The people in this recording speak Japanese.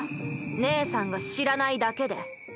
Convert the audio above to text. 姉さんが知らないだけで。